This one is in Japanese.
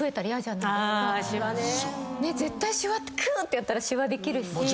絶対シワってくーってやったらシワできるし。